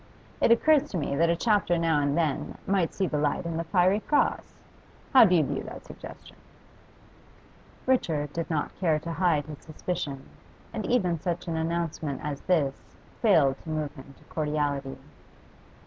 It occurs to me that a chapter now and then might see the light in the "Fiery Cross." How do you view that suggestion?' Richard did not care to hide his suspicion, and even such an announcement as this failed to move him to cordiality.